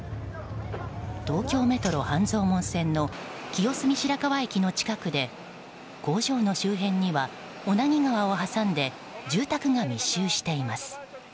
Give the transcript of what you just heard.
東京メトロ半蔵門線の清澄白河駅の近くで工場の周辺には小名木川を挟んで住宅が密集しています。